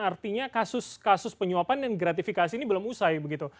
artinya kasus kasus penyuapan dan gratifikasi ini belum usai begitu